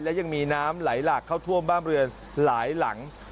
และยังมีน้ำไหลหลากเข้าท่วมบ้านเรือนหลายหลัง